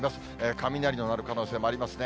雷の鳴る可能性もありますね。